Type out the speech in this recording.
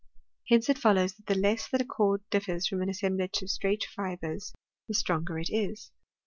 Hence it follows, that the less that a cord ditfers from an assemblage of straight fibres, the stronger it is.